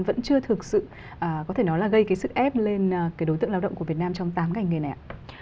vẫn chưa thực sự có thể nói là gây cái sức ép lên cái đối tượng lao động của việt nam trong tám ngành nghề này ạ